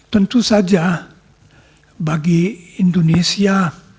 tentu saja bagi indonesia